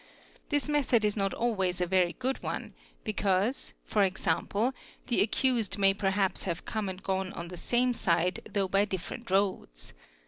This method is not always a e y good one because e.g. the accused may perhaps have come and gone n the same side though by different roads.